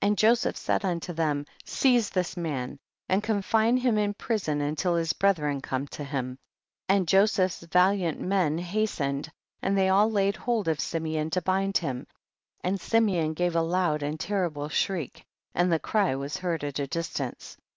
39. And Joseph said unto them, seize this man and confine him ire prison until his brethren come to him, and Joseph's valiant men hastened and they all laid hold of Simeon to bind him, and Simeon gave a loud and terrible shriek and the cry was heard at a distance.